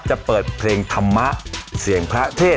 จะเปิดเพลงธรรมะเสียงพระเทศ